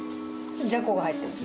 じゃこが入ってます。